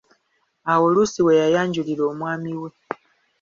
Awo luusi we yayanjulira omwami we.